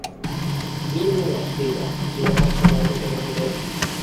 身分は低いが、口が達者な男のこと。